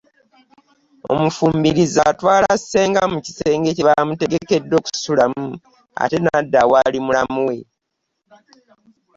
Omufumbirizi atwala ssenga mu kisenge kye baamutegekedde okusulamu; ate n’adda awali mulamu we.